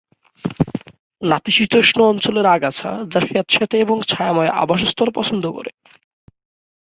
নাতিশীতোষ্ণ অঞ্চলের আগাছা যা স্যাঁতসেঁতে এবং ছায়াময় আবাসস্থল পছন্দ করে।